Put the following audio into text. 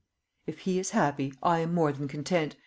"If he is happy, I am more than content!"